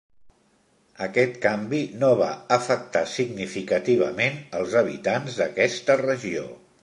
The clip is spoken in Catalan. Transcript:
Aquest canvi no va afectar significativament als habitants d'aquesta regió.